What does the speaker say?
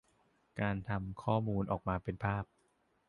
การทำข้อมูลออกมาเป็นภาพ